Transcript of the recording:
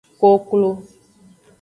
Koklo.